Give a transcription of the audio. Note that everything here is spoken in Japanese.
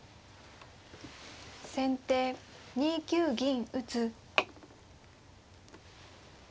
先手２九銀打。